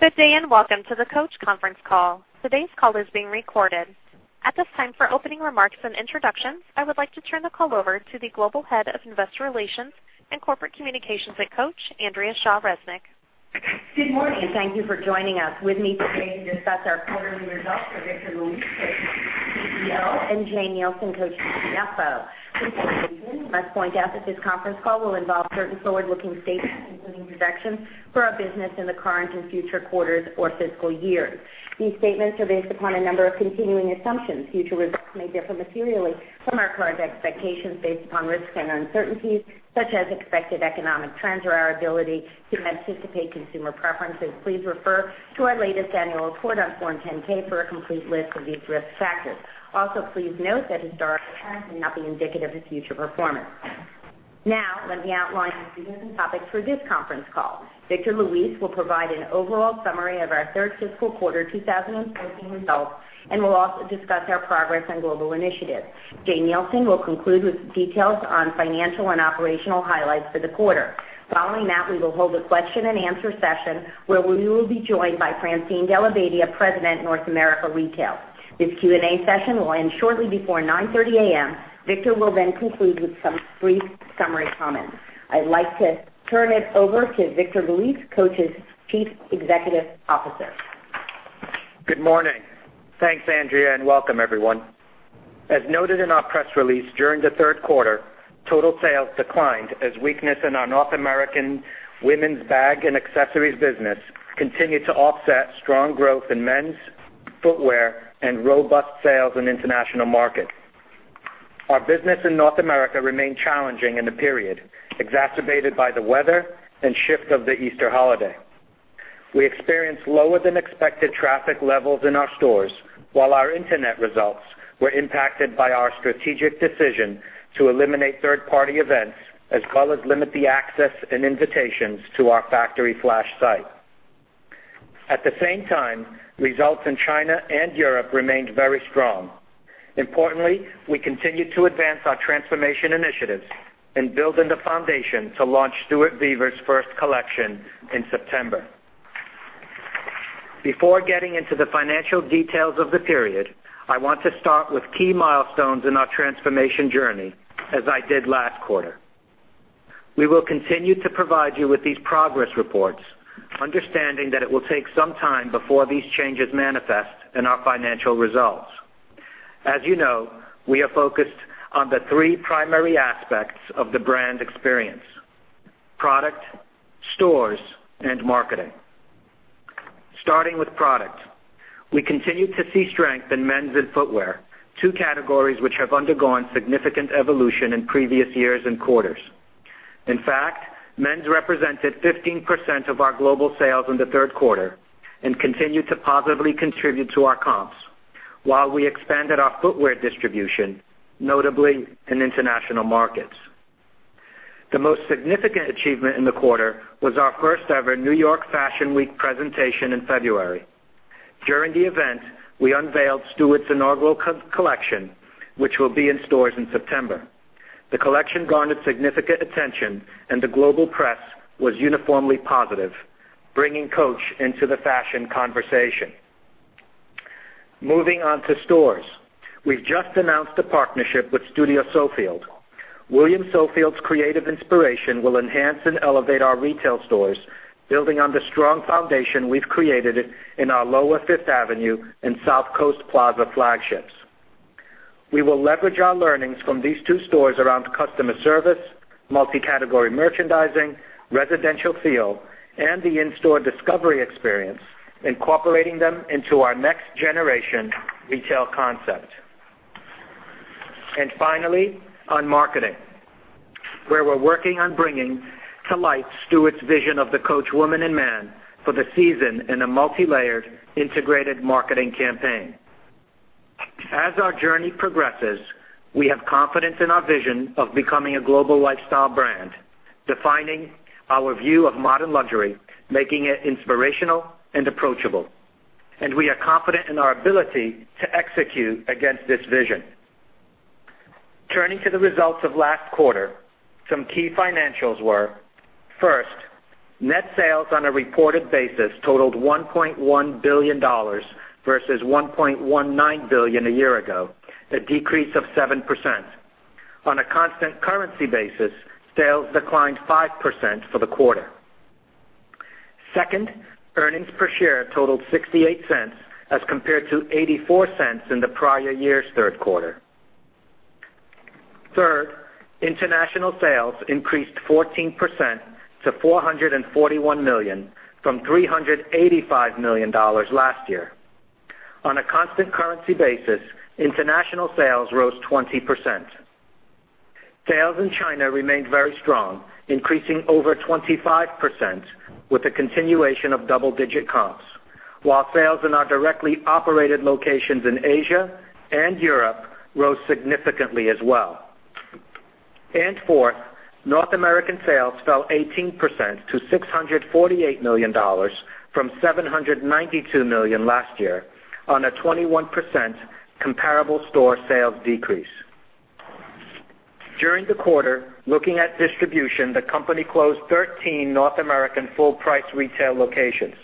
Good day. Welcome to the Coach conference call. Today's call is being recorded. At this time, for opening remarks and introductions, I would like to turn the call over to the Global Head of Investor Relations and Corporate Communications at Coach, Andrea Shaw Resnick. Good morning. Thank you for joining us. With me today to discuss our quarterly results are Victor Luis, Coach's CEO, and Jane Nielsen, Coach's CFO. Before we begin, I must point out that this conference call will involve certain forward-looking statements, including projections for our business in the current and future quarters or fiscal years. These statements are based upon a number of continuing assumptions. Future results may differ materially from our current expectations based upon risks and uncertainties such as expected economic trends or our ability to anticipate consumer preferences. Please refer to our latest annual report on Form 10-K for a complete list of these risk factors. Also, please note that historic trends may not be indicative of future performance. Let me outline the agenda and topics for this conference call. Victor Luis will provide an overall summary of our third fiscal quarter 2014 results, will also discuss our progress on global initiatives. Jane Nielsen will conclude with details on financial and operational highlights for the quarter. Following that, we will hold a question and answer session where we will be joined by Francine Della Badia, President, North America Retail. This Q&A session will end shortly before 9:30 A.M. Victor will conclude with some brief summary comments. I'd like to turn it over to Victor Luis, Coach's Chief Executive Officer. Good morning. Thanks, Andrea. Welcome everyone. As noted in our press release, during the third quarter, total sales declined as weakness in our North American women's bag and accessories business continued to offset strong growth in men's footwear and robust sales in international markets. Our business in North America remained challenging in the period, exacerbated by the weather and shift of the Easter holiday. We experienced lower than expected traffic levels in our stores while our internet results were impacted by our strategic decision to eliminate third-party events as well as limit the access and invitations to our Factory Flash site. At the same time, results in China and Europe remained very strong. Importantly, we continued to advance our transformation initiatives and build in the foundation to launch Stuart Vevers' first collection in September. Before getting into the financial details of the period, I want to start with key milestones in our transformation journey, as I did last quarter. We will continue to provide you with these progress reports, understanding that it will take some time before these changes manifest in our financial results. As you know, we are focused on the three primary aspects of the brand experience: product, stores, and marketing. Starting with product. We continued to see strength in men's and footwear, two categories which have undergone significant evolution in previous years and quarters. In fact, men's represented 15% of our global sales in the third quarter and continued to positively contribute to our comps while we expanded our footwear distribution, notably in international markets. The most significant achievement in the quarter was our first ever New York Fashion Week presentation in February. During the event, we unveiled Stuart's inaugural collection, which will be in stores in September. The collection garnered significant attention, the global press was uniformly positive, bringing Coach into the fashion conversation. Moving on to stores. We've just announced a partnership with Studio Sofield. William Sofield's creative inspiration will enhance and elevate our retail stores, building on the strong foundation we've created in our lower Fifth Avenue and South Coast Plaza flagships. We will leverage our learnings from these two stores around customer service, multi-category merchandising, residential feel, and the in-store discovery experience, incorporating them into our next generation retail concept. Finally, on marketing, where we're working on bringing to light Stuart's vision of the Coach woman and man for the season in a multilayered, integrated marketing campaign. As our journey progresses, we have confidence in our vision of becoming a global lifestyle brand, defining our view of modern luxury, making it inspirational and approachable, we are confident in our ability to execute against this vision. Turning to the results of last quarter, some key financials were, first, net sales on a reported basis totaled $1.1 billion versus $1.19 billion a year ago, a decrease of 7%. On a constant currency basis, sales declined 5% for the quarter. Second, earnings per share totaled $0.68 as compared to $0.84 in the prior year's third quarter. Third, international sales increased 14% to $441 million from $385 million last year. On a constant currency basis, international sales rose 20%. Sales in China remained very strong, increasing over 25% with a continuation of double-digit comps, while sales in our directly operated locations in Asia and Europe rose significantly as well. Fourth, North American sales fell 18% to $648 million from $792 million last year on a 21% comparable store sales decrease. During the quarter, looking at distribution, the company closed 13 North American full-price retail locations.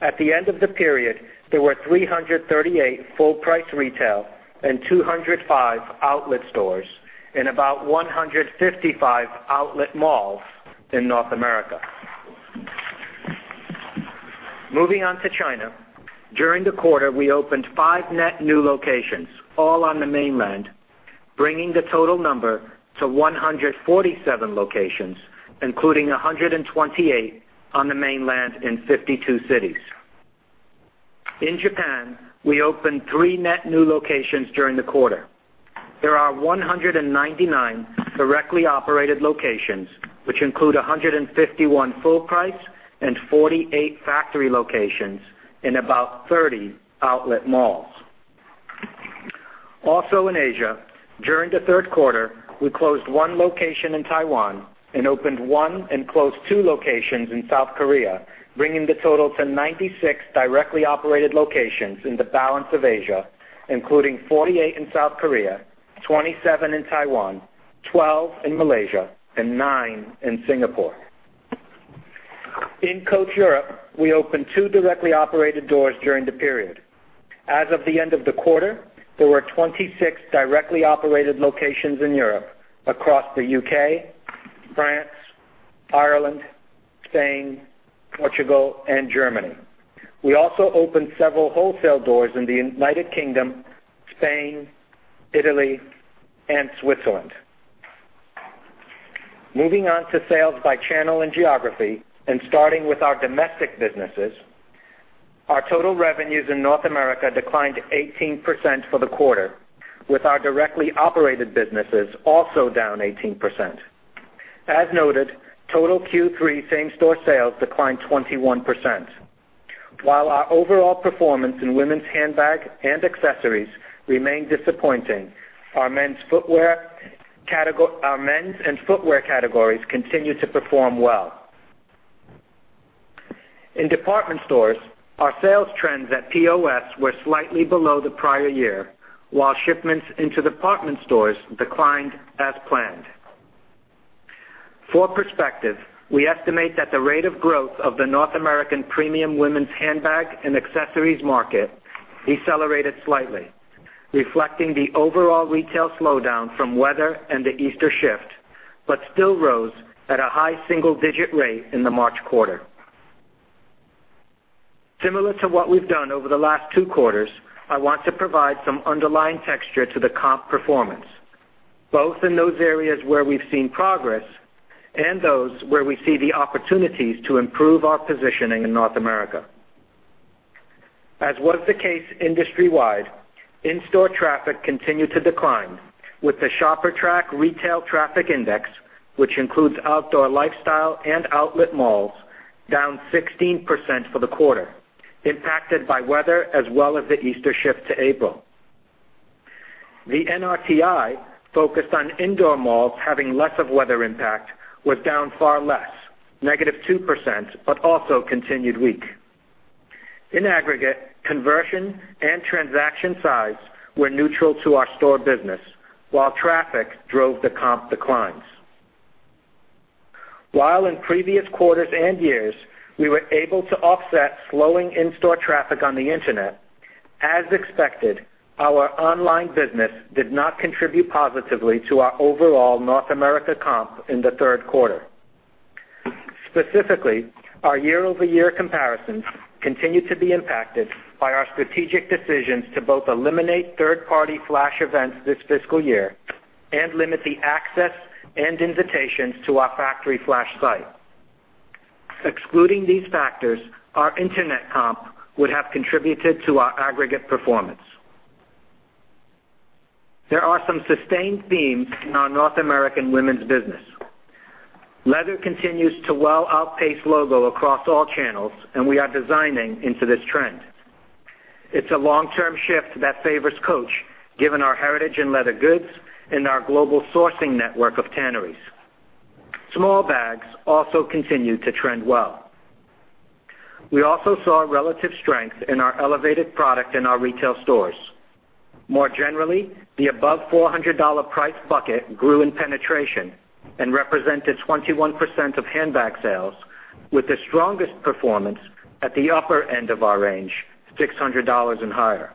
At the end of the period, there were 338 full-price retail and 205 outlet stores in about 155 outlet malls in North America. Moving on to China. During the quarter, we opened five net new locations, all on the mainland, bringing the total number to 147 locations, including 128 on the mainland in 52 cities. In Japan, we opened three net new locations during the quarter. There are 199 directly operated locations, which include 151 full price and 48 factory locations in about 30 outlet malls. Also in Asia, during the third quarter, we closed one location in Taiwan and opened one and closed two locations in South Korea, bringing the total to 96 directly operated locations in the balance of Asia, including 48 in South Korea, 27 in Taiwan, 12 in Malaysia, and nine in Singapore. In Coach Europe, we opened two directly operated doors during the period. As of the end of the quarter, there were 26 directly operated locations in Europe across the U.K., France, Ireland, Spain, Portugal, and Germany. We also opened several wholesale doors in the United Kingdom, Spain, Italy, and Switzerland. Moving on to sales by channel and geography and starting with our domestic businesses. Our total revenues in North America declined 18% for the quarter, with our directly operated businesses also down 18%. As noted, total Q3 same-store sales declined 21%. While our overall performance in women's handbag and accessories remained disappointing, our men's and footwear categories continue to perform well. In department stores, our sales trends at POS were slightly below the prior year, while shipments into department stores declined as planned. For perspective, we estimate that the rate of growth of the North American premium women's handbag and accessories market decelerated slightly, reflecting the overall retail slowdown from weather and the Easter shift, but still rose at a high single-digit rate in the March quarter. Similar to what we've done over the last two quarters, I want to provide some underlying texture to the comp performance, both in those areas where we've seen progress and those where we see the opportunities to improve our positioning in North America. As was the case industry-wide, in-store traffic continued to decline with the ShopperTrak Retail Traffic Index, which includes outdoor lifestyle and outlet malls, down 16% for the quarter, impacted by weather as well as the Easter shift to April. The NRTI, focused on indoor malls having less of weather impact, was down far less, negative 2%, but also continued weak. In aggregate, conversion and transaction size were neutral to our store business while traffic drove the comp declines. While in previous quarters and years, we were able to offset slowing in-store traffic on the Internet, as expected, our online business did not contribute positively to our overall North America comp in the third quarter. Specifically, our year-over-year comparisons continued to be impacted by our strategic decisions to both eliminate third-party flash events this fiscal year and limit the access and invitations to our Factory flash site. Excluding these factors, our Internet comp would have contributed to our aggregate performance. There are some sustained themes in our North American women's business. Leather continues to well outpace logo across all channels, and we are designing into this trend. It's a long-term shift that favors Coach, given our heritage in leather goods and our global sourcing network of tanneries. Small bags also continue to trend well. We also saw relative strength in our elevated product in our retail stores. More generally, the above $400 price bucket grew in penetration and represented 21% of handbag sales, with the strongest performance at the upper end of our range, $600 and higher.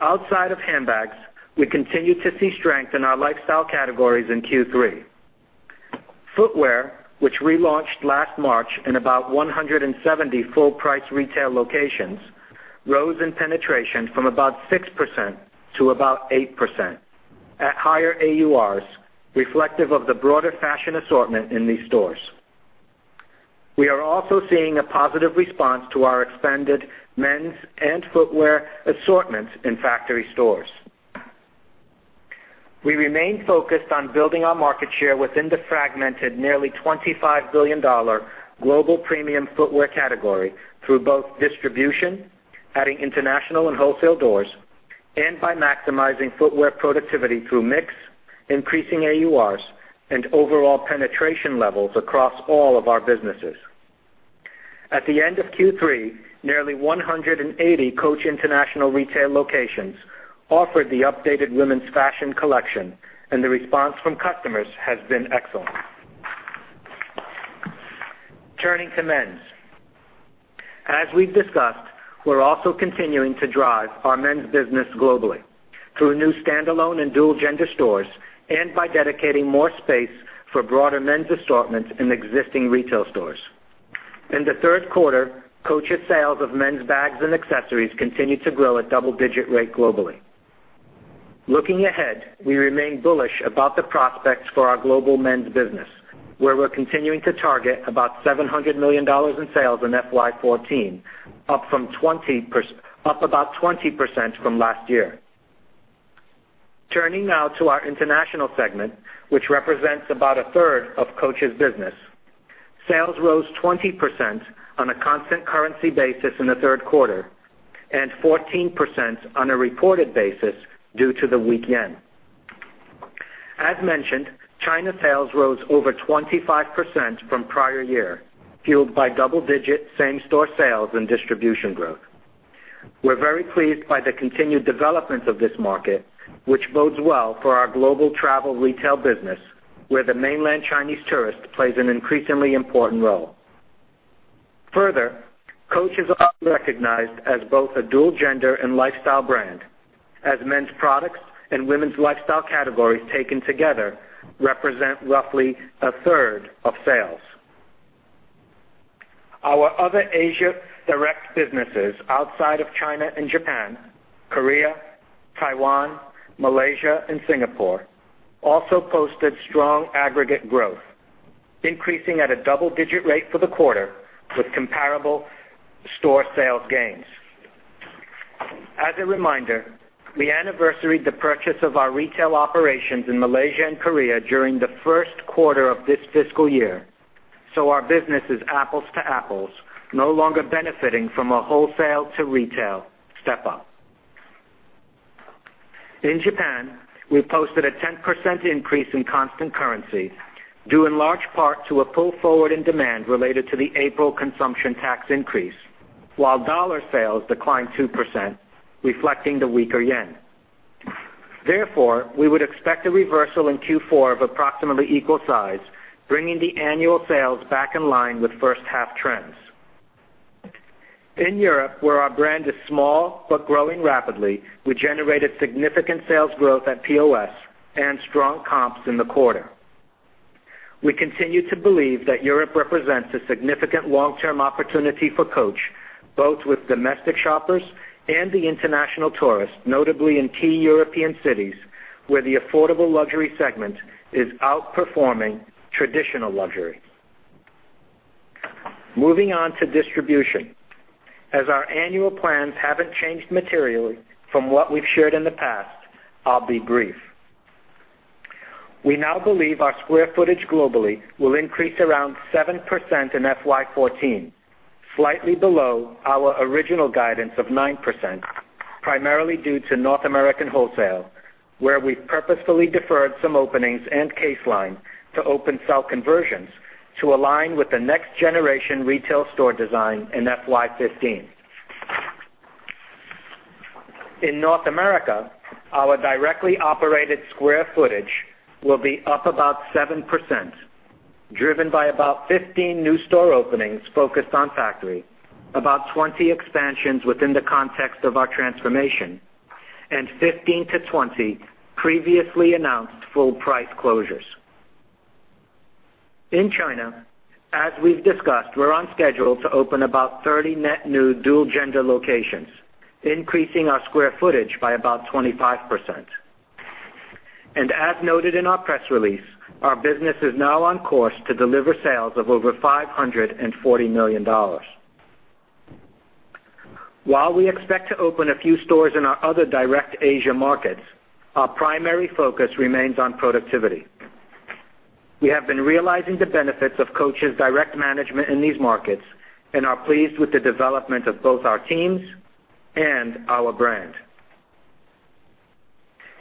Outside of handbags, we continued to see strength in our lifestyle categories in Q3. Footwear, which relaunched last March in about 170 full-price retail locations, rose in penetration from about 6% to about 8% at higher AURs, reflective of the broader fashion assortment in these stores. We are also seeing a positive response to our expanded men's and footwear assortments in factory stores. We remain focused on building our market share within the fragmented, nearly $25 billion global premium footwear category through both distribution, adding international and wholesale doors, and by maximizing footwear productivity through mix, increasing AURs, and overall penetration levels across all of our businesses. At the end of Q3, nearly 180 Coach international retail locations offered the updated women's fashion collection, and the response from customers has been excellent. Turning to men's. As we've discussed, we're also continuing to drive our men's business globally through new standalone and dual-gender stores and by dedicating more space for broader men's assortments in existing retail stores. In the third quarter, Coach's sales of men's bags and accessories continued to grow at double-digit rate globally. Looking ahead, we remain bullish about the prospects for our global men's business, where we're continuing to target about $700 million in sales in FY 2014, up about 20% from last year. Turning now to our international segment, which represents about a third of Coach's business. Sales rose 20% on a constant currency basis in the third quarter and 14% on a reported basis due to the weak yen. As mentioned, China sales rose over 25% from prior year, fueled by double-digit same-store sales and distribution growth. We're very pleased by the continued development of this market, which bodes well for our global travel retail business, where the mainland Chinese tourist plays an increasingly important role. Further, Coach is recognized as both a dual-gender and lifestyle brand, as men's products and women's lifestyle categories taken together represent roughly a third of sales. Our other Asia direct businesses outside of China and Japan, Korea, Taiwan, Malaysia, and Singapore also posted strong aggregate growth, increasing at a double-digit rate for the quarter with comparable store sales gains. As a reminder, we anniversaried the purchase of our retail operations in Malaysia and Korea during the first quarter of this fiscal year. Our business is apples-to-apples, no longer benefiting from a wholesale to retail step-up. In Japan, we posted a 10% increase in constant currency, due in large part to a pull forward in demand related to the April consumption tax increase, while dollar sales declined 2%, reflecting the weaker yen. Therefore, we would expect a reversal in Q4 of approximately equal size, bringing the annual sales back in line with first-half trends. In Europe, where our brand is small but growing rapidly, we generated significant sales growth at POS and strong comps in the quarter. We continue to believe that Europe represents a significant long-term opportunity for Coach, both with domestic shoppers and the international tourists, notably in key European cities where the affordable luxury segment is outperforming traditional luxury. Moving on to distribution. Our annual plans haven't changed materially from what we've shared in the past, I'll be brief. We now believe our square footage globally will increase around 7% in FY 2014, slightly below our original guidance of 9%, primarily due to North American wholesale, where we've purposefully deferred some openings and case line to open sell conversions to align with the next-generation retail store design in FY 2015. In North America, our directly operated square footage will be up about 7%, driven by about 15 new store openings focused on factory, about 20 expansions within the context of our transformation, and 15-20 previously announced full-price closures. In China, as we've discussed, we're on schedule to open about 30 net new dual-gender locations, increasing our square footage by about 25%. As noted in our press release, our business is now on course to deliver sales of over $540 million. While we expect to open a few stores in our other direct Asia markets, our primary focus remains on productivity. We have been realizing the benefits of Coach's direct management in these markets and are pleased with the development of both our teams and our brand.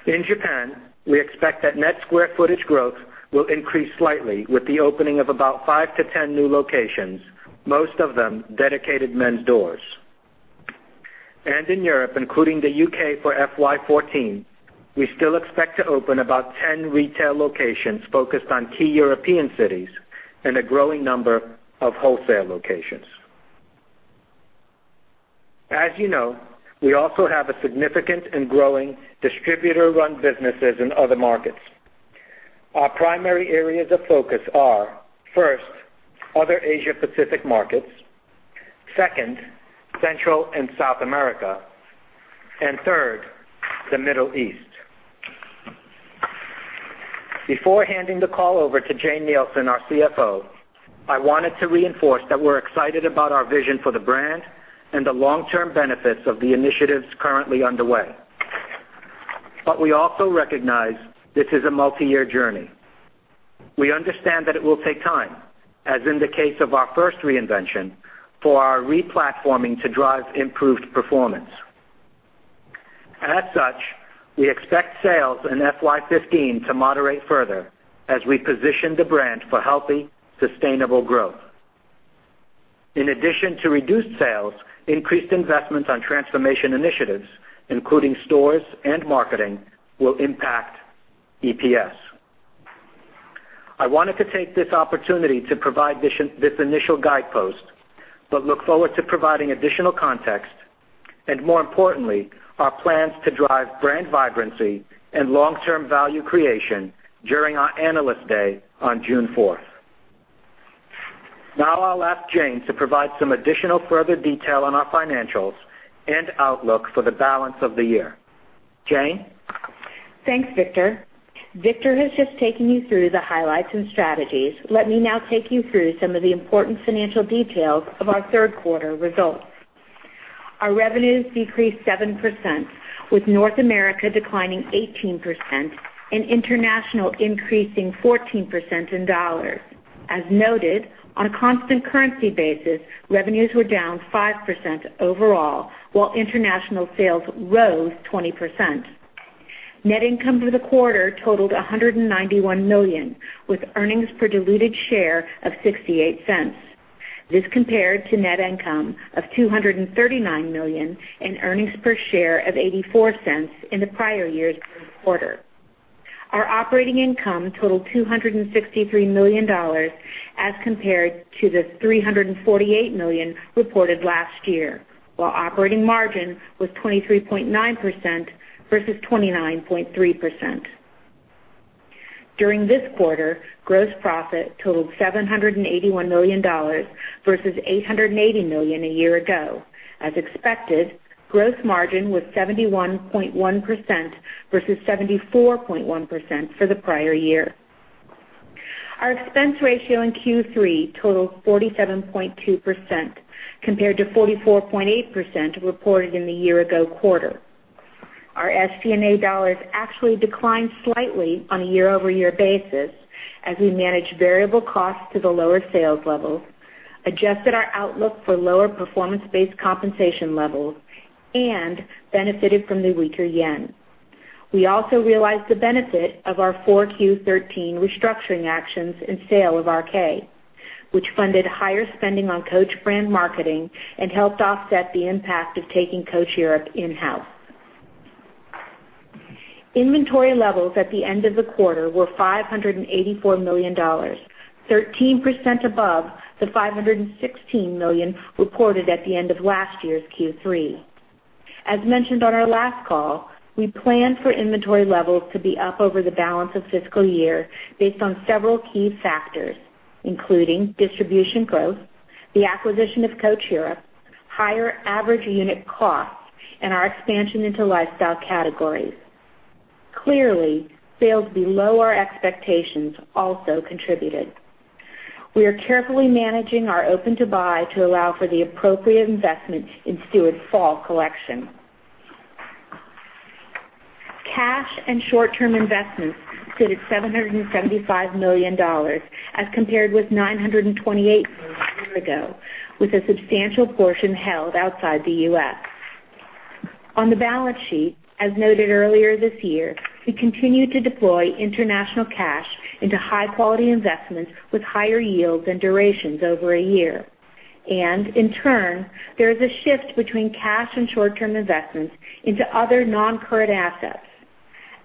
In Japan, we expect that net square footage growth will increase slightly with the opening of about 5-10 new locations, most of them dedicated men's doors. In Europe, including the U.K. for FY 2014, we still expect to open about 10 retail locations focused on key European cities and a growing number of wholesale locations. As you know, we also have a significant and growing distributor-run businesses in other markets. Our primary areas of focus are, first, other Asia Pacific markets, second, Central and South America, and third, the Middle East. Before handing the call over to Jane Nielsen, our CFO, I wanted to reinforce that we're excited about our vision for the brand and the long-term benefits of the initiatives currently underway. We also recognize this is a multi-year journey. We understand that it will take time, as in the case of our first reinvention, for our replatforming to drive improved performance. As such, we expect sales in FY 2015 to moderate further as we position the brand for healthy, sustainable growth. In addition to reduced sales, increased investments on transformation initiatives, including stores and marketing, will impact EPS. I wanted to take this opportunity to provide this initial guidepost, but look forward to providing additional context, and more importantly, our plans to drive brand vibrancy and long-term value creation during our Analyst Day on June 4th. I'll ask Jane to provide some additional further detail on our financials and outlook for the balance of the year. Jane? Thanks, Victor. Victor has just taken you through the highlights and strategies. Let me now take you through some of the important financial details of our third quarter results. Our revenues decreased 7%, with North America declining 18% and international increasing 14% in USD. As noted, on a constant currency basis, revenues were down 5% overall, while international sales rose 20%. Net income for the quarter totaled $191 million, with earnings per diluted share of $0.68. This compared to net income of $239 million and earnings per share of $0.84 in the prior year's quarter. Our operating income totaled $263 million as compared to the $348 million reported last year, while operating margin was 23.9% versus 29.3%. During this quarter, gross profit totaled $781 million versus $880 million a year ago. As expected, gross margin was 71.1% versus 74.1% for the prior year. Our expense ratio in Q3 totaled 47.2% compared to 44.8% reported in the year-ago quarter. Our SG&A USD actually declined slightly on a year-over-year basis as we managed variable costs to the lower sales levels, adjusted our outlook for lower performance-based compensation levels, and benefited from the weaker JPY. We also realized the benefit of our 4Q 2013 restructuring actions and sale of Reed Krakoff, which funded higher spending on Coach brand marketing and helped offset the impact of taking Coach Europe in-house. Inventory levels at the end of the quarter were $584 million, 13% above the $516 million reported at the end of last year's Q3. As mentioned on our last call, we plan for inventory levels to be up over the balance of fiscal year based on several key factors, including distribution growth, the acquisition of Coach Europe, higher average unit costs, and our expansion into lifestyle categories. Clearly, sales below our expectations also contributed. We are carefully managing our open-to-buy to allow for the appropriate investment in Stuart's fall collection. Cash and short-term investments stood at $775 million as compared with $928 million a year ago, with a substantial portion held outside the U.S. On the balance sheet, as noted earlier this year, we continue to deploy international cash into high-quality investments with higher yields and durations over a year. In turn, there is a shift between cash and short-term investments into other non-current assets.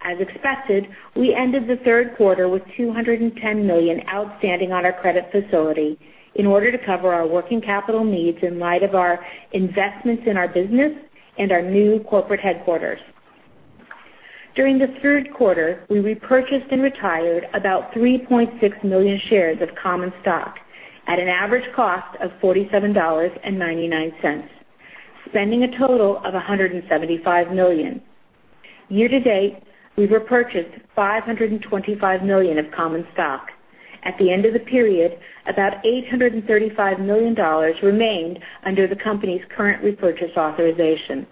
As expected, we ended the third quarter with $210 million outstanding on our credit facility in order to cover our working capital needs in light of our investments in our business and our new corporate headquarters. During the third quarter, we repurchased and retired about 3.6 million shares of common stock at an average cost of $47.99, spending a total of $175 million. Year to date, we've repurchased $525 million of common stock. At the end of the period, about $835 million remained under the company's current repurchase authorization.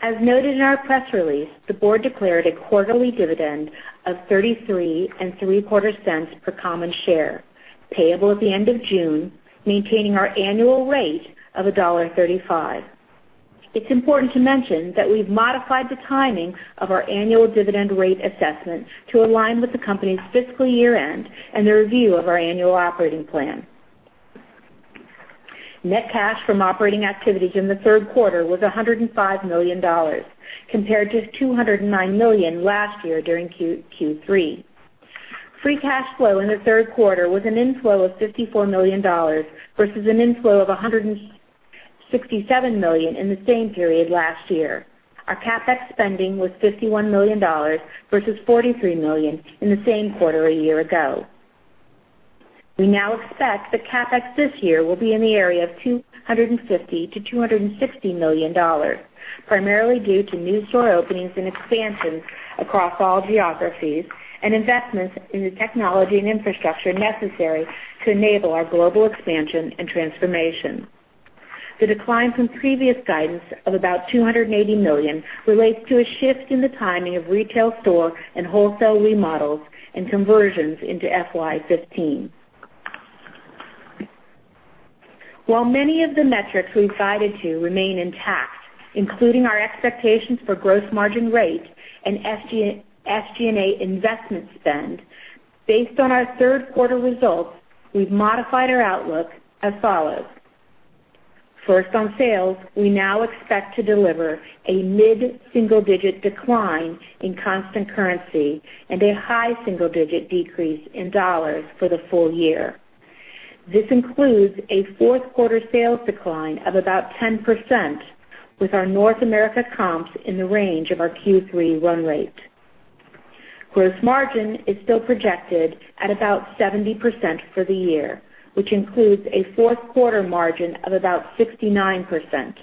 As noted in our press release, the board declared a quarterly dividend of $0.3375 per common share, payable at the end of June, maintaining our annual rate of $1.35. It's important to mention that we've modified the timing of our annual dividend rate assessment to align with the company's fiscal year-end and the review of our annual operating plan. Net cash from operating activities in the third quarter was $105 million, compared to $209 million last year during Q3. Free cash flow in the third quarter was an inflow of $54 million, versus an inflow of $167 million in the same period last year. Our CapEx spending was $51 million, versus $43 million in the same quarter a year ago. We now expect that CapEx this year will be in the area of $250 million-$260 million, primarily due to new store openings and expansions across all geographies and investments in the technology and infrastructure necessary to enable our global expansion and transformation. The decline from previous guidance of about $280 million relates to a shift in the timing of retail store and wholesale remodels and conversions into FY 2015. While many of the metrics we guided to remain intact, including our expectations for gross margin rate and SG&A investment spend. Based on our third quarter results, we've modified our outlook as follows. First, on sales, we now expect to deliver a mid-single-digit decline in constant currency and a high single-digit decrease in dollars for the full year. This includes a fourth quarter sales decline of about 10%, with our North America comps in the range of our Q3 run rate. Gross margin is still projected at about 70% for the year, which includes a fourth quarter margin of about 69%,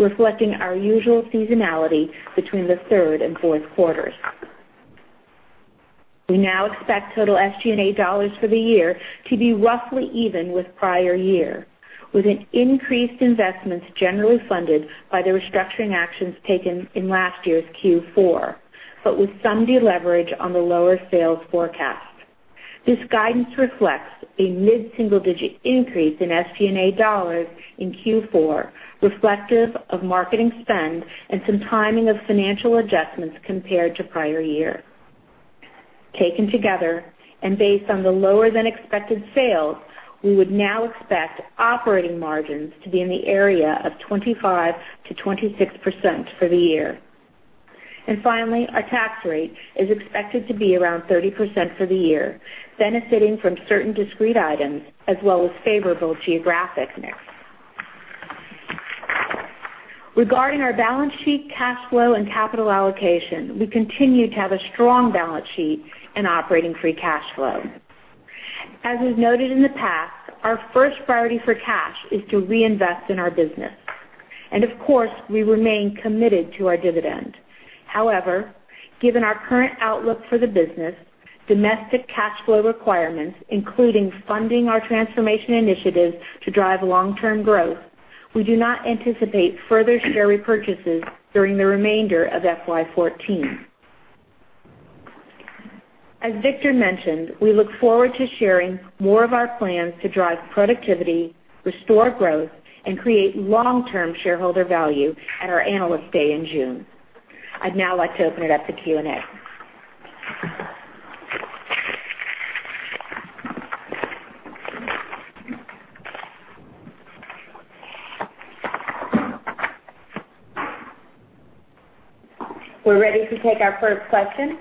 reflecting our usual seasonality between the third and fourth quarters. We now expect total SG&A dollars for the year to be roughly even with prior year, with increased investments generally funded by the restructuring actions taken in last year's Q4, but with some deleverage on the lower sales forecast. This guidance reflects a mid-single-digit increase in SG&A dollars in Q4, reflective of marketing spend and some timing of financial adjustments compared to the prior year. Taken together and based on the lower-than-expected sales, we would now expect operating margins to be in the area of 25%-26% for the year. Finally, our tax rate is expected to be around 30% for the year, benefiting from certain discrete items as well as favorable geographic mix. Regarding our balance sheet, cash flow, and capital allocation, we continue to have a strong balance sheet and operating free cash flow. As we've noted in the past, our first priority for cash is to reinvest in our business. Of course, we remain committed to our dividend. However, given our current outlook for the business, domestic cash flow requirements, including funding our transformation initiatives to drive long-term growth, we do not anticipate further share repurchases during the remainder of FY 2014. As Victor mentioned, we look forward to sharing more of our plans to drive productivity, restore growth, and create long-term shareholder value at our Analyst Day in June. I'd now like to open it up to Q&A. We're ready to take our first question.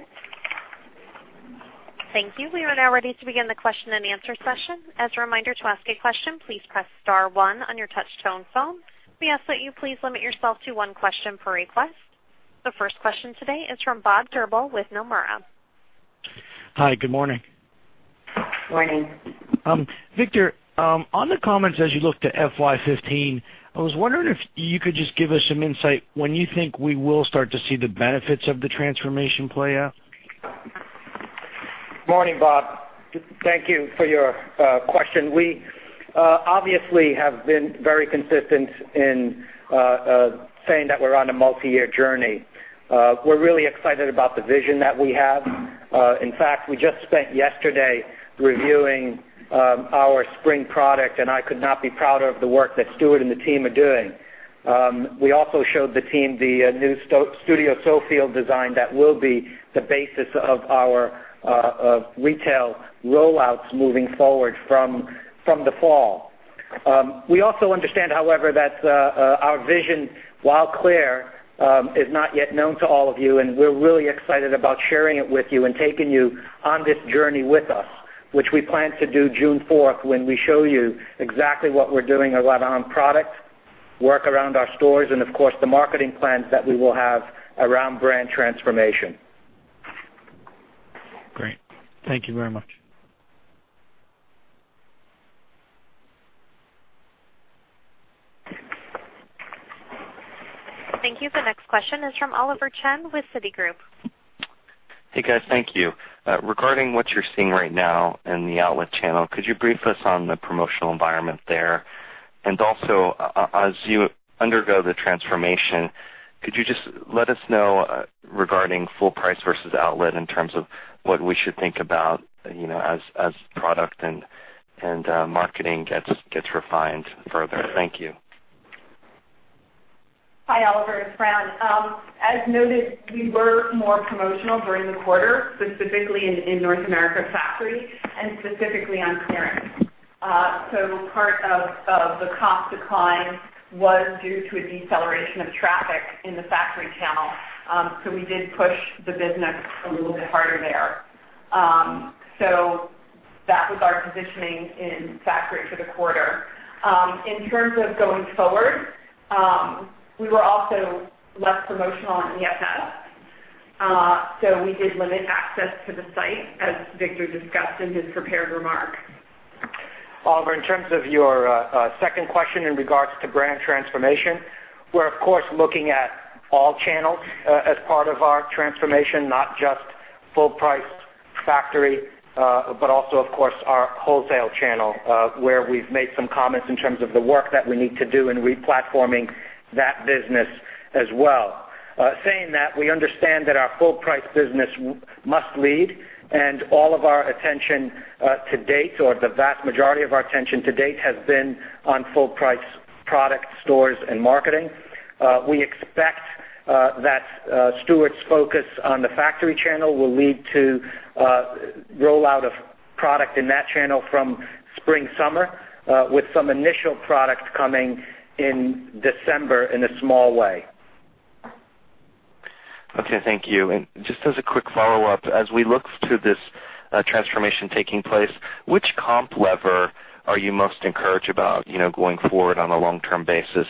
Thank you. We are now ready to begin the question-and-answer session. As a reminder, to ask a question, please press *1 on your touchtone phone. We ask that you please limit yourself to one question per request. The first question today is from Robert Drbul with Nomura. Hi, good morning. Morning. Victor, on the comments as you look to FY 2015, I was wondering if you could just give us some insight when you think we will start to see the benefits of the transformation play out. Morning, Bob. Thank you for your question. We obviously have been very consistent in saying that we're on a multi-year journey. We're really excited about the vision that we have. In fact, we just spent yesterday reviewing our spring product, and I could not be prouder of the work that Stuart and the team are doing. We also showed the team the new Studio Sofield design that will be the basis of our retail rollouts moving forward from the fall. We also understand, however, that our vision, while clear, is not yet known to all of you, and we're really excited about sharing it with you and taking you on this journey with us, which we plan to do June fourth when we show you exactly what we're doing a lot on product, work around our stores, and of course, the marketing plans that we will have around brand transformation. Great. Thank you very much. Thank you. The next question is from Oliver Chen with Citigroup. Hey, guys. Thank you. Regarding what you're seeing right now in the outlet channel, could you brief us on the promotional environment there? Also, as you undergo the transformation, could you just let us know regarding full price versus outlet in terms of what we should think about as product and marketing gets refined further. Thank you. Hi, Oliver, it's Fran. As noted, we were more promotional during the quarter, specifically in North America Factory and specifically on clearance. Part of the cost decline was due to a deceleration of traffic in the Factory channel. We did push the business a little bit harder there. That was our positioning in Factory for the quarter. In terms of going forward, we were also less promotional on EFS. We did limit access to the site as Victor discussed in his prepared remarks. Oliver, in terms of your second question in regards to brand transformation, we're of course, looking at all channels as part of our transformation, not just full-price Factory, but also, of course, our wholesale channel, where we've made some comments in terms of the work that we need to do in re-platforming that business as well. Saying that, we understand that our full-price business must lead, and all of our attention to date, or the vast majority of our attention to date, has been on full-price product stores and marketing. We expect that Stuart's focus on the Factory channel will lead to rollout of product in that channel from spring-summer, with some initial product coming in December in a small way. Okay, thank you. Just as a quick follow-up, as we look to this transformation taking place, which comp lever are you most encouraged about going forward on a long-term basis,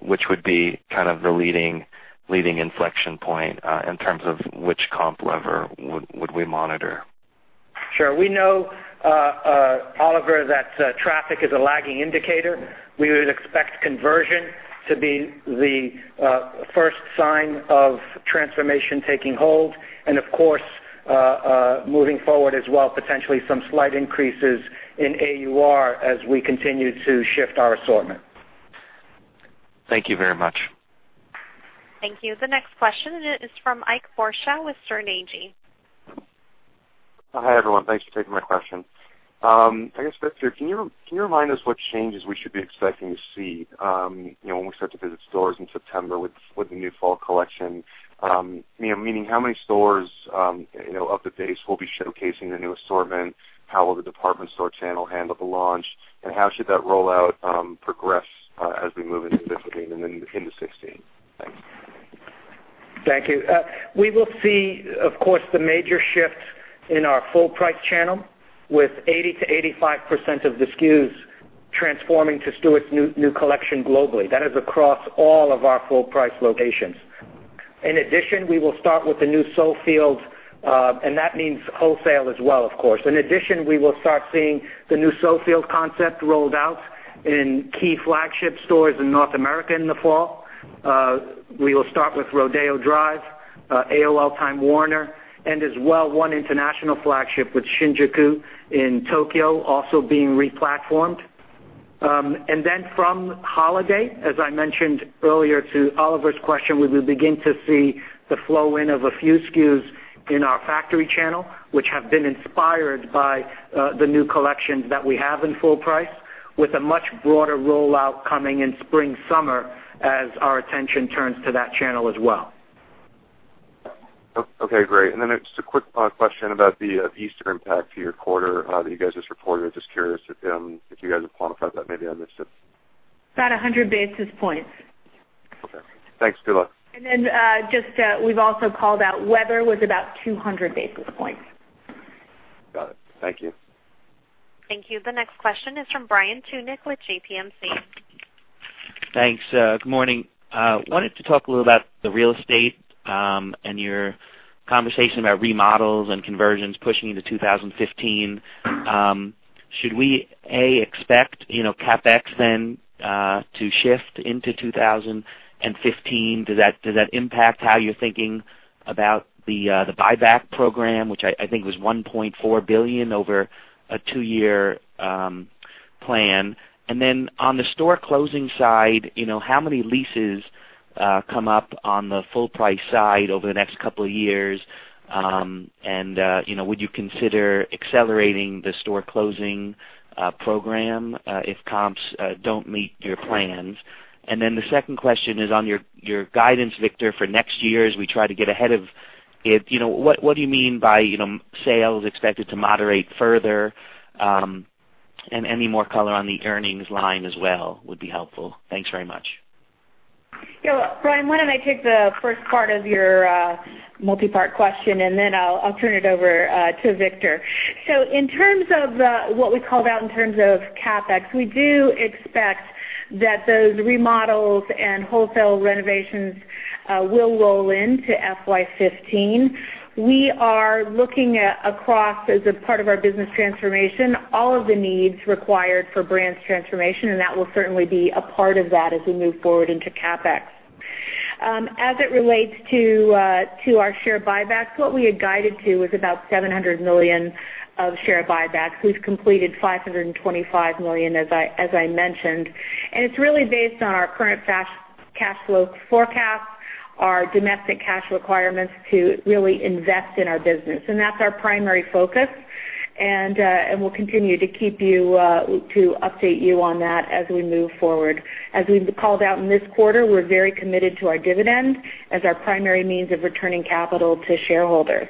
which would be kind of the leading inflection point in terms of which comp lever would we monitor? Sure. We know, Oliver, that traffic is a lagging indicator. We would expect conversion to be the first sign of transformation taking hold. Of course, moving forward as well, potentially some slight increases in AUR as we continue to shift our assortment. Thank you very much. Thank you. The next question is from Ike Boruchow with Sterne Agee. Hi, everyone. Thanks for taking my question. I guess, Victor, can you remind us what changes we should be expecting to see when we start to visit stores in September with the new fall collection? Meaning, how many stores of the base will be showcasing the new assortment? How will the department store channel handle the launch, and how should that rollout progress as we move into 2015 and then into 2016? Thanks. Thank you. We will see, of course, the major shifts in our full-price channel with 80%-85% of the SKUs transforming to Stuart's new collection globally. That is across all of our full-price locations. In addition, we will start with the new Sofield, and that means wholesale as well, of course. In addition, we will start seeing the new Sofield concept rolled out in key flagship stores in North America in the fall. We will start with Rodeo Drive, Time Warner Center, and as well, one international flagship with Shinjuku in Tokyo also being re-platformed. From holiday, as I mentioned earlier to Oliver's question, we will begin to see the flow in of a few SKUs in our factory channel, which have been inspired by the new collections that we have in full price, with a much broader rollout coming in spring-summer as our attention turns to that channel as well. Okay, great. Just a quick question about the Easter impact to your quarter that you guys just reported. Just curious if you guys have quantified that. Maybe I missed it. About 100 basis points. Okay. Thanks. Good luck. We've also called out weather was about 200 basis points. Got it. Thank you. Thank you. The next question is from Brian Tunick with JPMorgan. Thanks. Good morning. Wanted to talk a little about the real estate and your conversation about remodels and conversions pushing into 2015. Should we, A, expect CapEx to shift into 2015? Does that impact how you're thinking about the buyback program, which I think was $1.4 billion over a two-year plan? On the store closing side, how many leases come up on the full-price side over the next couple of years? Would you consider accelerating the store closing program if comps don't meet your plans? The second question is on your guidance, Victor, for next year, as we try to get ahead of it. What do you mean by sales expected to moderate further? Any more color on the earnings line as well would be helpful. Thanks very much. Yeah. Brian, why don't I take the first part of your multi-part question, then I'll turn it over to Victor. In terms of what we called out in terms of CapEx, we do expect that those remodels and wholesale renovations will roll into FY 2015. We are looking across, as a part of our business transformation, all of the needs required for brands transformation, and that will certainly be a part of that as we move forward into CapEx. As it relates to our share buybacks, what we had guided to was about $700 million of share buybacks. We've completed $525 million, as I mentioned, and it's really based on our current cash flow forecast, our domestic cash requirements to really invest in our business. That's our primary focus, and we'll continue to update you on that as we move forward. As we called out in this quarter, we're very committed to our dividend as our primary means of returning capital to shareholders.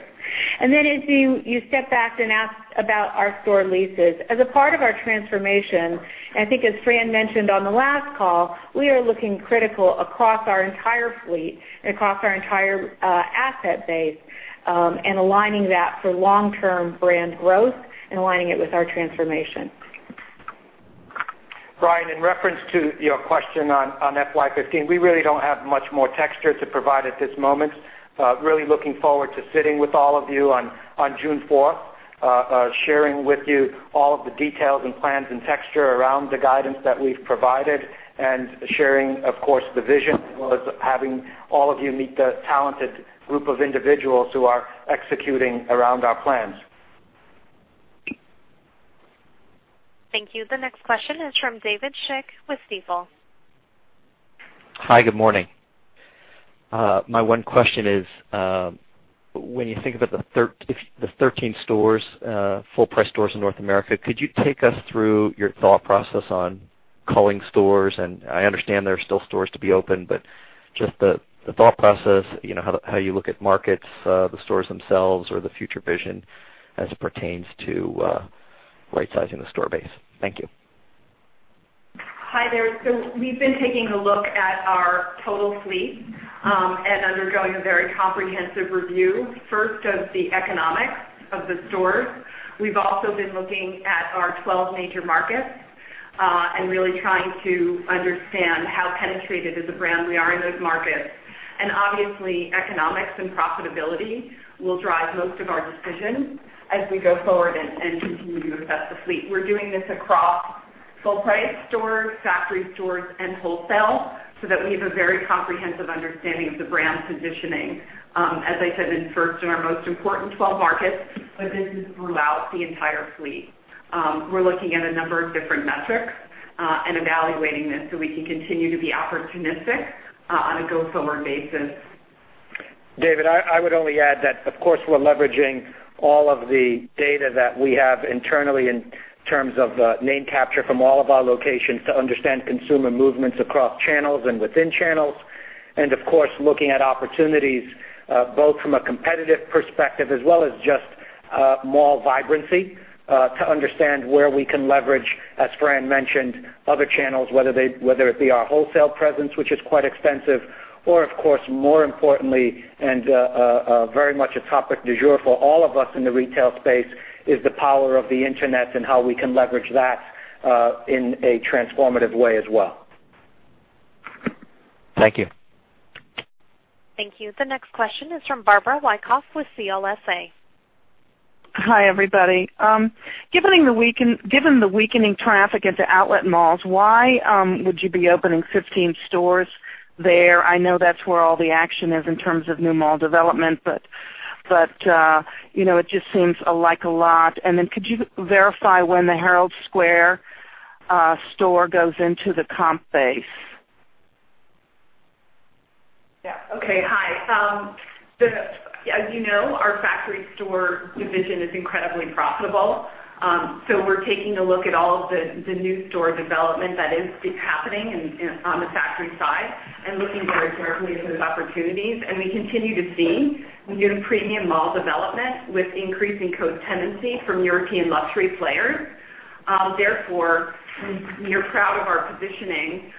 As you stepped back and asked about our store leases, as a part of our transformation, I think as Fran mentioned on the last call, we are looking critical across our entire fleet and across our entire asset base and aligning that for long-term brand growth and aligning it with our transformation. Brian, in reference to your question on FY 2015, we really don't have much more texture to provide at this moment. Really looking forward to sitting with all of you on June 4th, sharing with you all of the details and plans and texture around the guidance that we've provided and sharing, of course, the vision, as well as having all of you meet the talented group of individuals who are executing around our plans. Thank you. The next question is from David Schick with Stifel. Hi. Good morning. My one question is, when you think about the 13 full-price stores in North America, could you take us through your thought process on culling stores? I understand there are still stores to be opened, but just the thought process, how you look at markets, the stores themselves, or the future vision as it pertains to rightsizing the store base. Thank you. We've been taking a look at our total fleet, and undergoing a very comprehensive review, first of the economics of the stores. We've also been looking at our 12 major markets, and really trying to understand how penetrated as a brand we are in those markets. Obviously, economics and profitability will drive most of our decisions as we go forward and continue to assess the fleet. We're doing this across full price stores, factory stores, and wholesale, so that we have a very comprehensive understanding of the brand positioning, as I said, in first, in our most important 12 markets, but this is throughout the entire fleet. We're looking at a number of different metrics, and evaluating this so we can continue to be opportunistic on a go-forward basis. David, I would only add that, of course, we're leveraging all of the data that we have internally in terms of the name capture from all of our locations to understand consumer movements across channels and within channels. Of course, looking at opportunities, both from a competitive perspective as well as just mall vibrancy, to understand where we can leverage, as Fran mentioned, other channels, whether it be our wholesale presence, which is quite extensive, or, of course, more importantly, and very much a topic du jour for all of us in the retail space, is the power of the Internet and how we can leverage that in a transformative way as well. Thank you. Thank you. The next question is from Barbara Wyckoff with CLSA. Hi, everybody. Given the weakening traffic at the outlet malls, why would you be opening 15 stores there? I know that's where all the action is in terms of new mall development, it just seems like a lot. Could you verify when the Herald Square store goes into the comp base? Yeah. Okay. Hi. As you know, our factory store division is incredibly profitable. We're taking a look at all of the new store development that is happening on the factory side and looking very carefully at those opportunities. We continue to see premium mall development with increasing co-tenancy from European luxury players. Therefore, we are proud of our positioning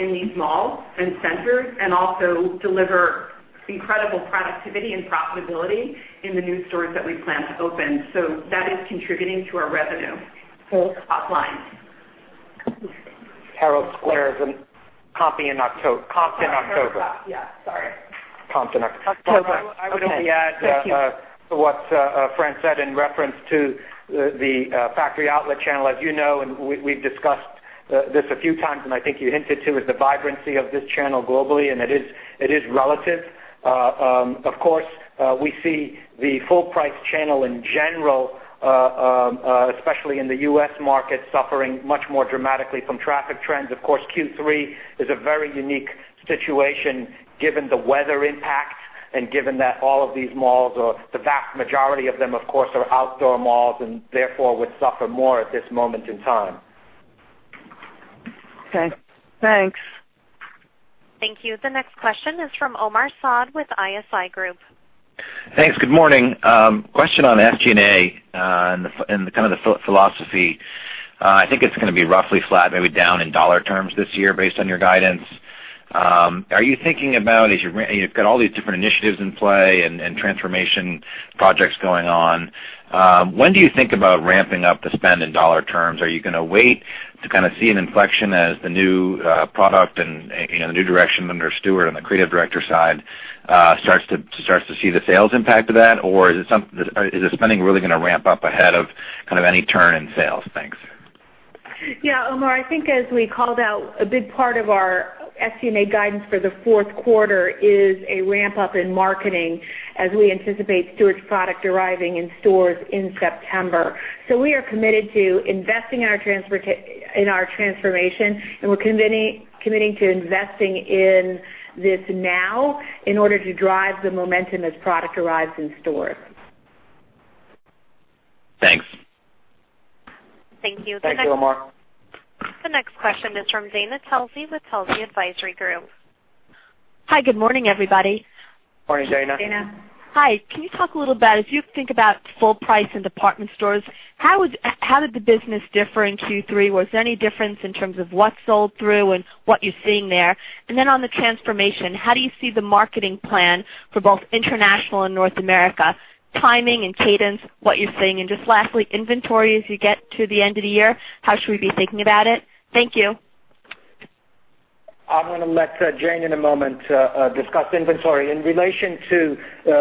in these malls and centers, and also deliver incredible productivity and profitability in the new stores that we plan to open. That is contributing to our revenue top line. Herald Square is in comp in October. Yeah. Sorry. Comp in October. Okay. Thank you. I would only add to what Fran said in reference to the factory outlet channel. As you know, and we've discussed this a few times, and I think you hinted, too, is the vibrancy of this channel globally, and it is relative. Of course, we see the full price channel in general, especially in the U.S. market, suffering much more dramatically from traffic trends. Of course, Q3 is a very unique situation given the weather impact and given that all of these malls, or the vast majority of them, of course, are outdoor malls and therefore would suffer more at this moment in time. Okay. Thanks. Thank you. The next question is from Omar Saad with ISI Group. Thanks. Good morning. Question on SG&A, and the philosophy. I think it's going to be roughly flat, maybe down in dollar terms this year based on your guidance. Are you thinking about, as you've got all these different initiatives in play and transformation projects going on, when do you think about ramping up the spend in dollar terms? Are you going to wait to see an inflection as the new product and the new direction under Stuart on the creative director side starts to see the sales impact of that, or is the spending really going to ramp up ahead of any turn in sales? Thanks. Yeah, Omar, I think as we called out, a big part of our SG&A guidance for the fourth quarter is a ramp-up in marketing as we anticipate Stuart's product arriving in stores in September. We are committed to investing in our transformation, and we're committing to investing in this now in order to drive the momentum as product arrives in stores. Thanks. Thank you. Thanks, Omar. The next question is from Dana Telsey with Telsey Advisory Group. Hi. Good morning, everybody. Morning, Dana. Dana. Hi. Can you talk a little about, as you think about full price in department stores, how did the business differ in Q3? Was there any difference in terms of what sold through and what you're seeing there? On the transformation, how do you see the marketing plan for both international and North America, timing and cadence, what you're seeing? Lastly, inventory as you get to the end of the year, how should we be thinking about it? Thank you. I'm going to let Jane, in a moment, discuss inventory. In relation to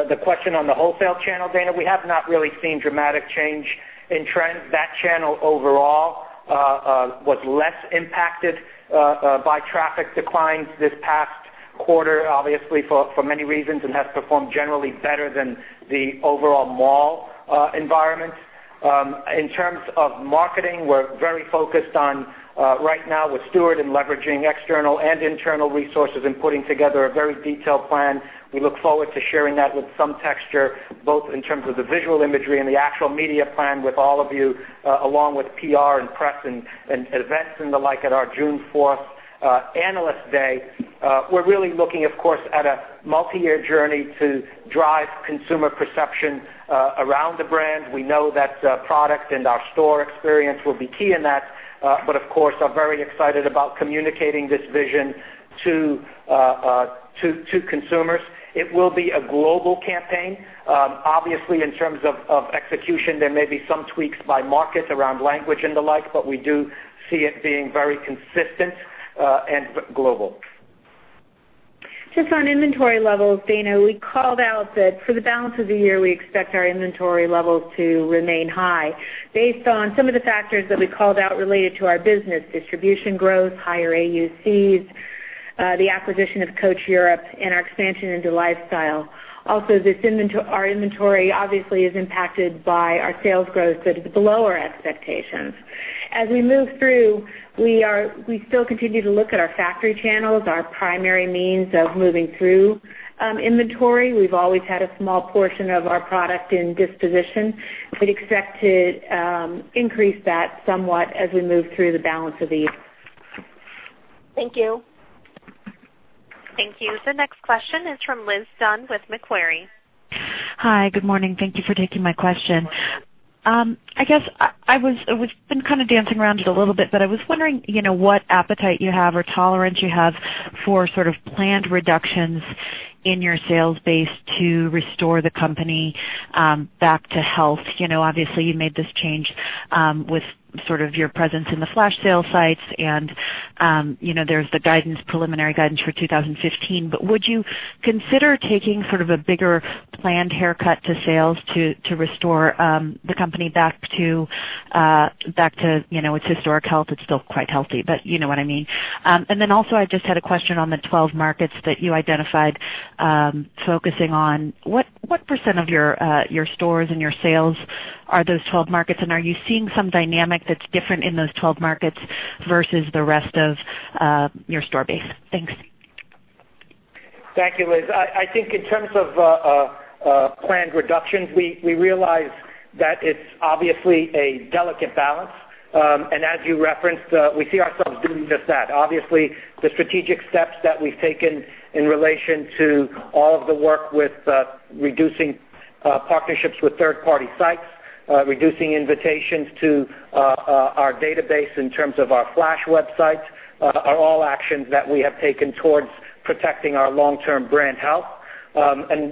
the question on the wholesale channel, Dana, we have not really seen dramatic change in trends. That channel overall was less impacted by traffic declines this past quarter, obviously for many reasons, and has performed generally better than the overall mall environment. In terms of marketing, we're very focused on right now with Stuart and leveraging external and internal resources and putting together a very detailed plan. We look forward to sharing that with some texture, both in terms of the visual imagery and the actual media plan with all of you, along with PR and press and events and the like at our June 4th Analyst Day. We're really looking, of course, at a multi-year journey to drive consumer perception around the brand. We know that product and our store experience will be key in that. Of course, are very excited about communicating this vision to consumers. It will be a global campaign. Obviously, in terms of execution, there may be some tweaks by markets around language and the like, but we do see it being very consistent and global. Just on inventory levels, Dana, we called out that for the balance of the year, we expect our inventory levels to remain high based on some of the factors that we called out related to our business distribution growth, higher AUCs, the acquisition of Coach Europe, and our expansion into lifestyle. Our inventory obviously is impacted by our sales growth that is below our expectations. As we move through, we still continue to look at our factory channels, our primary means of moving through inventory. We've always had a small portion of our product in disposition. We'd expect to increase that somewhat as we move through the balance of the year. Thank you. Thank you. The next question is from Liz Dunn with Macquarie. Hi. Good morning. Thank you for taking my question. I guess we've been kind of dancing around it a little bit, but I was wondering what appetite you have or tolerance you have for sort of planned reductions in your sales base to restore the company back to health. Obviously, you made this change with sort of your presence in the flash sale sites, and there's the preliminary guidance for 2015. Would you consider taking sort of a bigger planned haircut to sales to restore the company back to its historic health? It's still quite healthy, but you know what I mean. Also I just had a question on the 12 markets that you identified focusing on. What % of your stores and your sales are those 12 markets, are you seeing some dynamic that's different in those 12 markets versus the rest of your store base? Thanks. Thank you, Liz. I think in terms of planned reductions, we realize that it's obviously a delicate balance. As you referenced, we see ourselves doing just that. Obviously, the strategic steps that we've taken in relation to all of the work with reducing partnerships with third-party sites, reducing invitations to our database in terms of our flash websites, are all actions that we have taken towards protecting our long-term brand health.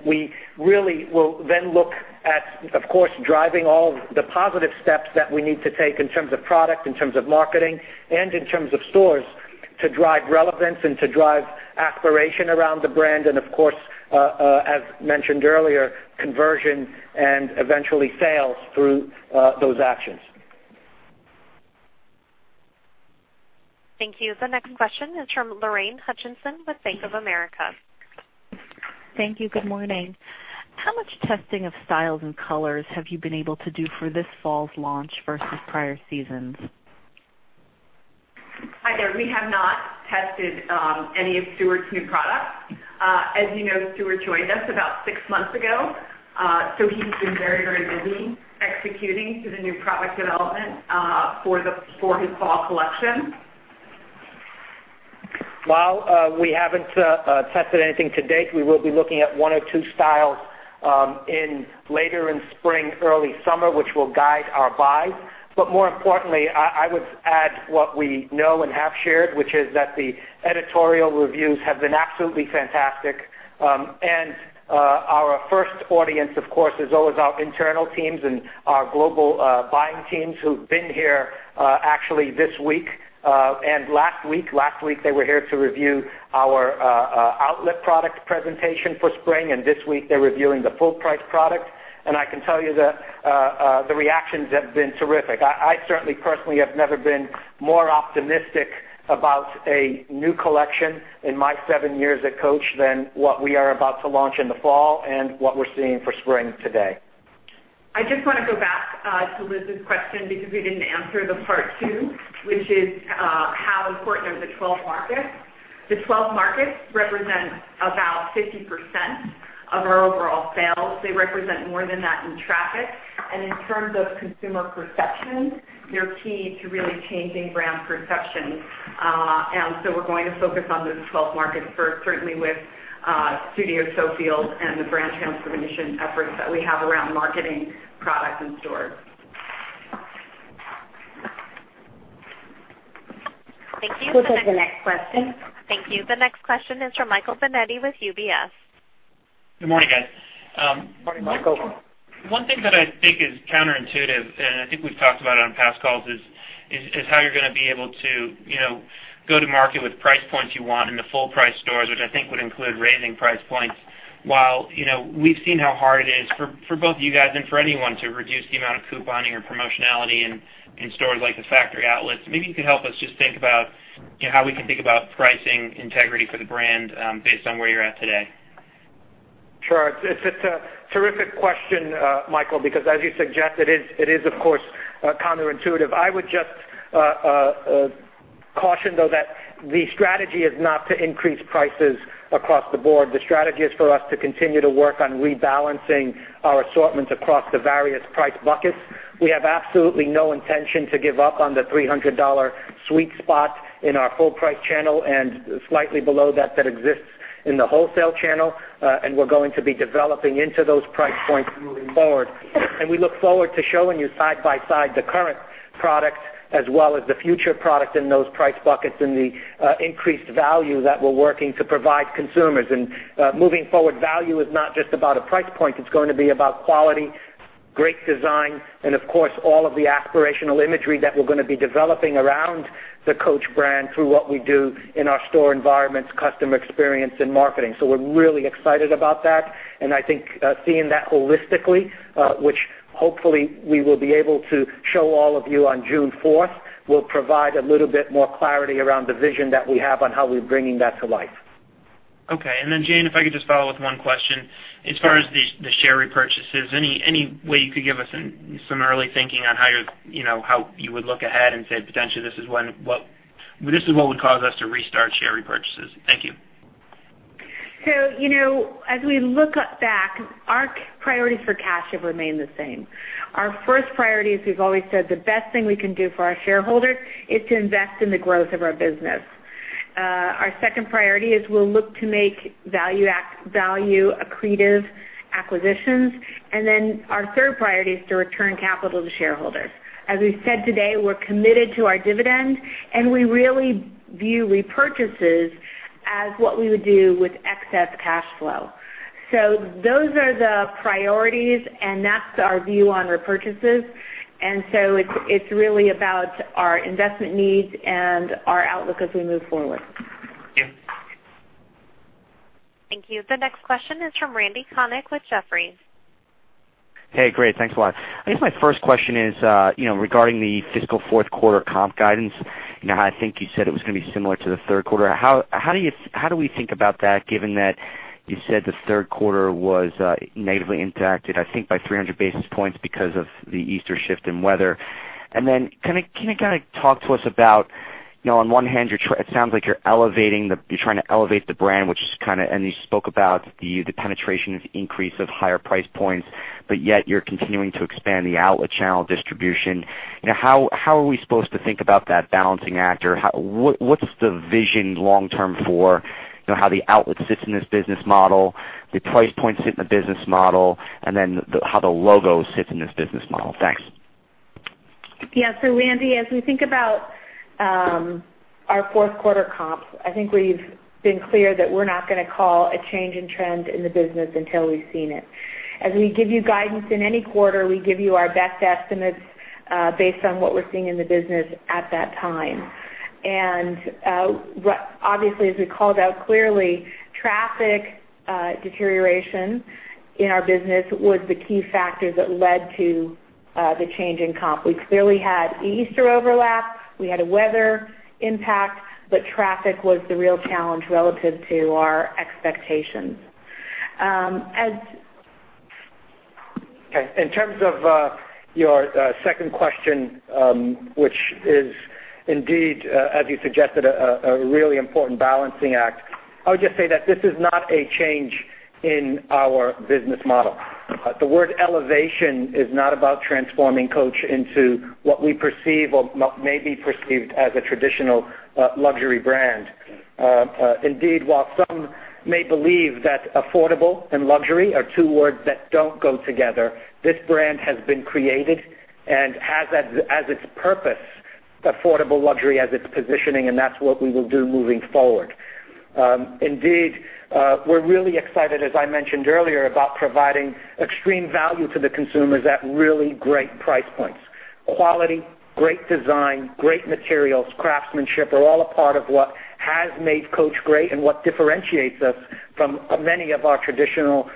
We really will then look at, of course, driving all the positive steps that we need to take in terms of product, in terms of marketing, and in terms of stores to drive relevance and to drive aspiration around the brand, and of course, as mentioned earlier, conversion and eventually sales through those actions. Thank you. The next question is from Lorraine Hutchinson with Bank of America. Thank you. Good morning. How much testing of styles and colors have you been able to do for this fall's launch versus prior seasons? Hi, there. We have not tested any of Stuart's new products. As you know, Stuart joined us about six months ago. He's been very busy executing to the new product development for his fall collection. While we haven't tested anything to date, we will be looking at one or two styles later in spring, early summer, which will guide our buys. More importantly, I would add what we know and have shared, which is that the editorial reviews have been absolutely fantastic. Our first audience, of course, is always our internal teams and our global buying teams who've been here actually this week and last week. Last week they were here to review our outlet product presentation for spring, and this week they're reviewing the full price product. I can tell you the reactions have been terrific. I certainly personally have never been more optimistic about a new collection in my seven years at Coach than what we are about to launch in the fall and what we're seeing for spring today. I just want to go back to Liz's question because we didn't answer part two, which is how important are the 12 markets. The 12 markets represent about 50% of our overall sales. They represent more than that in traffic. In terms of consumer perception, they're key to really changing brand perception. We're going to focus on those 12 markets first, certainly with Studio Sofield and the brand transformation efforts that we have around marketing, product, and stores. Thank you. We'll take the next question. Thank you. The next question is from Michael Binetti with UBS. Good morning, guys. Morning, Michael. One thing that I think is counterintuitive, and I think we've talked about it on past calls, is how you're going to be able to go to market with price points you want in the full price stores, which I think would include raising price points. While we've seen how hard it is for both of you guys and for anyone to reduce the amount of couponing or promotionality in stores like the factory outlets. Maybe you could help us just think about how we can think about pricing integrity for the brand, based on where you're at today. Sure. It's a terrific question, Michael, because as you suggest, it is, of course, counterintuitive. I would just caution, though, that the strategy is not to increase prices across the board. The strategy is for us to continue to work on rebalancing our assortments across the various price buckets. We have absolutely no intention to give up on the $300 sweet spot in our full price channel and slightly below that exists in the wholesale channel. We're going to be developing into those price points moving forward. We look forward to showing you side by side the current product, as well as the future product in those price buckets and the increased value that we're working to provide consumers. Moving forward, value is not just about a price point. It's going to be about quality, great design, and of course, all of the aspirational imagery that we're going to be developing around the Coach brand through what we do in our store environments, customer experience, and marketing. We're really excited about that. I think seeing that holistically, which hopefully we will be able to show all of you on June 4th, will provide a little bit more clarity around the vision that we have on how we're bringing that to life. Okay. Jane, if I could just follow up with one question. As far as the share repurchases, any way you could give us some early thinking on how you would look ahead and say, "Potentially, this is what would cause us to restart share repurchases." Thank you. As we look back, our priorities for cash have remained the same. Our first priority is we've always said the best thing we can do for our shareholders is to invest in the growth of our business. Our second priority is we'll look to make value accretive acquisitions. Our third priority is to return capital to shareholders. As we've said today, we're committed to our dividend, and we really view repurchases as what we would do with excess cash flow. Those are the priorities, and that's our view on repurchases. It's really about our investment needs and our outlook as we move forward. Thank you. Thank you. The next question is from Randal Konik with Jefferies. Hey, great. Thanks a lot. I guess my first question is regarding the fiscal fourth quarter comp guidance. How I think you said it was going to be similar to the third quarter. How do we think about that, given that you said the third quarter was negatively impacted, I think, by 300 basis points because of the Easter shift in weather? Can you talk to us about, on one hand, it sounds like you're trying to elevate the brand, and you spoke about the penetration of the increase of higher price points, but yet you're continuing to expand the outlet channel distribution. How are we supposed to think about that balancing act? What's the vision long term for how the outlet fits in this business model, the price points fit in the business model, and then how the logo sits in this business model? Thanks. Yeah. Randy, as we think about our fourth quarter comps, I think we've been clear that we're not going to call a change in trend in the business until we've seen it. As we give you guidance in any quarter, we give you our best estimates based on what we're seeing in the business at that time. Obviously, as we called out clearly, traffic deterioration in our business was the key factor that led to the change in comp. We clearly had Easter overlap. We had a weather impact. Traffic was the real challenge relative to our expectations. Okay. In terms of your second question, which is indeed as you suggested, a really important balancing act. I would just say that this is not a change in our business model. The word elevation is not about transforming Coach into what we perceive or may be perceived as a traditional luxury brand. While some may believe that affordable and luxury are two words that don't go together, this brand has been created and has as its purpose affordable luxury as its positioning, and that's what we will do moving forward. We're really excited, as I mentioned earlier, about providing extreme value to the consumers at really great price points. Quality, great design, great materials, craftsmanship are all a part of what has made Coach great and what differentiates us from many of our traditional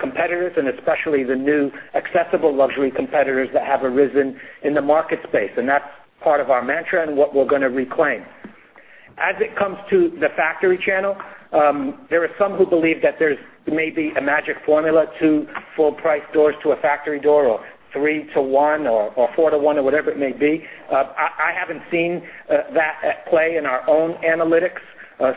competitors, and especially the new accessible luxury competitors that have arisen in the market space. That's part of our mantra and what we're going to reclaim. As it comes to the factory channel, there are some who believe that there's maybe a magic formula, two full-price doors to a factory door, or three to one, or four to one, or whatever it may be. I haven't seen that at play in our own analytics.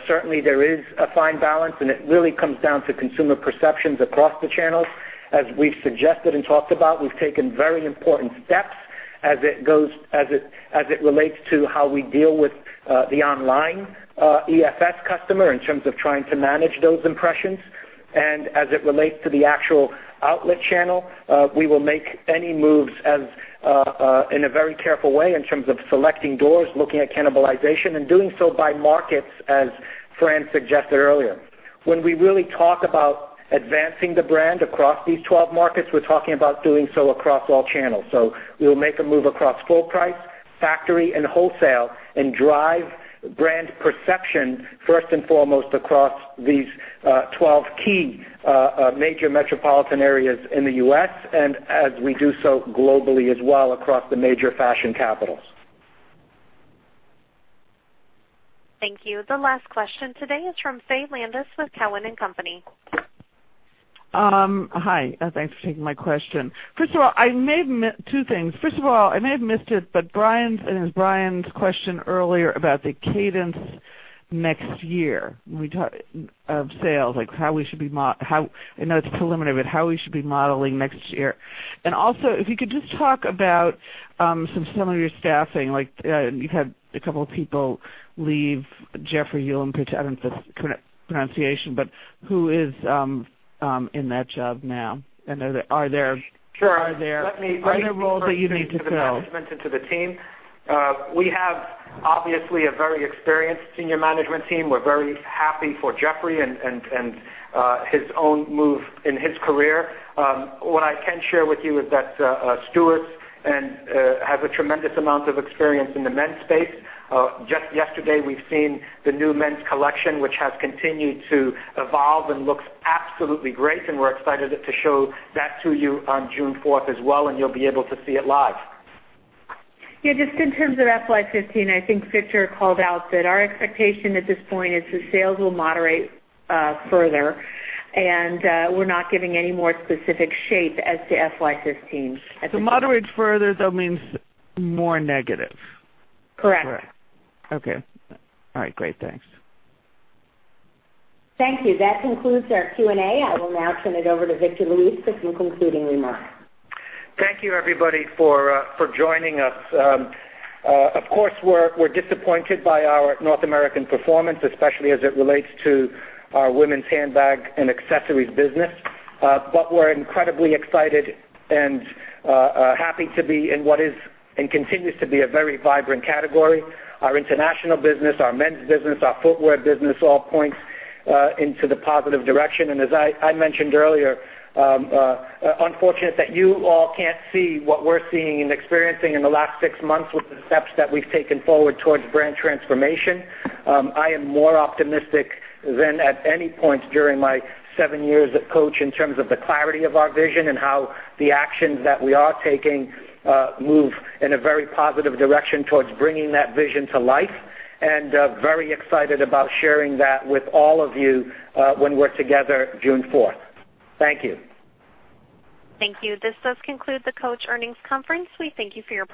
Certainly, there is a fine balance, and it really comes down to consumer perceptions across the channels. As we've suggested and talked about, we've taken very important steps as it relates to how we deal with the online EFS customer in terms of trying to manage those impressions. As it relates to the actual outlet channel, we will make any moves in a very careful way in terms of selecting doors, looking at cannibalization, and doing so by markets as Fran suggested earlier. When we really talk about advancing the brand across these 12 markets, we're talking about doing so across all channels. We'll make a move across full price, factory, and wholesale, and drive brand perception first and foremost across these 12 key major metropolitan areas in the U.S. and as we do so globally as well across the major fashion capitals. Thank you. The last question today is from Faye Landes with Cowen and Company. Hi. Thanks for taking my question. Two things. First of all, I may have missed it, Brian's question earlier about the cadence next year of sales, I know it's preliminary, but how we should be modeling next year. Also, if you could just talk about some of your staffing. You've had a couple of people leave, Jeffrey Huleatt, I don't think that's the pronunciation, but who is in that job now? Are there- Sure. Are there roles that you need to fill? Into the management, into the team. We have, obviously, a very experienced senior management team. We're very happy for Jeffrey and his own move in his career. What I can share with you is that Stuart has a tremendous amount of experience in the men's space. Just yesterday, we've seen the new men's collection, which has continued to evolve and looks absolutely great, and we're excited to show that to you on June 4th as well, and you'll be able to see it live. Yeah, just in terms of FY 2015, I think Victor called out that our expectation at this point is that sales will moderate further, we're not giving any more specific shape as to FY 2015 at this point. Moderate further, though, means more negative? Correct. Correct. Okay. All right, great. Thanks. Thank you. That concludes our Q&A. I will now turn it over to Victor Luis for some concluding remarks. Thank you everybody for joining us. Of course, we're disappointed by our North American performance, especially as it relates to our women's handbag and accessories business. We're incredibly excited and happy to be in what is, and continues to be, a very vibrant category. Our international business, our men's business, our footwear business all points into the positive direction. As I mentioned earlier, unfortunate that you all can't see what we're seeing and experiencing in the last six months with the steps that we've taken forward towards brand transformation. I am more optimistic than at any point during my seven years at Coach in terms of the clarity of our vision and how the actions that we are taking move in a very positive direction towards bringing that vision to life, and very excited about sharing that with all of you when we're together June 4th. Thank you. Thank you. This does conclude the Coach earnings conference. We thank you for your participation